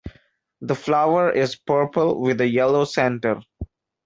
The flower is purple with a yellow center.